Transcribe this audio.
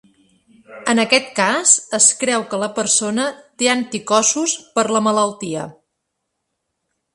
En aquest cas, es creu que la persona té anticossos per la malaltia.